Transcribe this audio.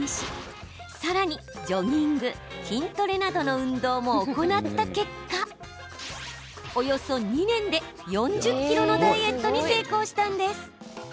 さらにジョギング筋トレなどの運動も行った結果およそ２年で４０ｋｇのダイエットに成功したんです。